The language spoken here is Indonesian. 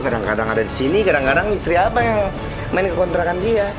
kadang kadang ada di sini kadang kadang istri apa yang main ke kontrakan dia